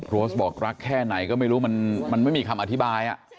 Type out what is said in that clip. โรสบอกรักแค่ไหนก็ไม่รู้มันไม่มีคำอธิบาย